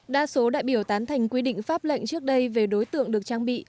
đa số đại biểu tán thành quy định pháp lệnh trước đây về đối tượng được trang bị